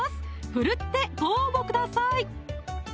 奮ってご応募ください